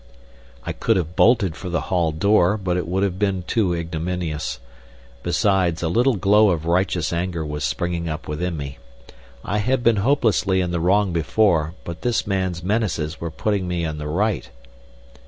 I could have bolted for the hall door, but it would have been too ignominious. Besides, a little glow of righteous anger was springing up within me. I had been hopelessly in the wrong before, but this man's menaces were putting me in the right.